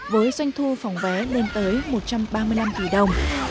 với doanh thu phòng vé lên tới một trăm ba mươi năm tỷ đồng